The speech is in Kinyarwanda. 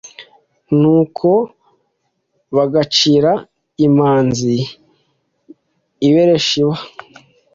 nuko bagacira imanza i berisheba